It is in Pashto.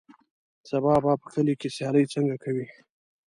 سبا به په کلي کې سیالۍ څنګه کوې.